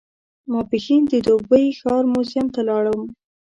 ماپښین د دوبۍ ښار موزیم ته ولاړم.